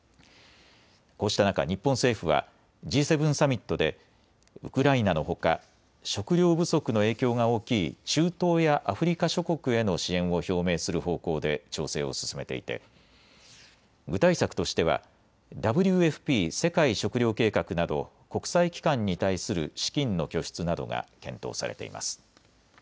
こうした中、日本政府はＧ７サミットでウクライナのほか、食糧不足の影響が大きい中東やアフリカ諸国への支援を表明する方向で調整を進めていて具体策としてはＷＦＰ・世界食糧計画など国際機関に対する資金の拠出などが検討されています。